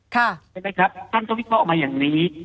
ใช่ไหมครับท่านก็วิเคราะห์ออกมาอย่างนี้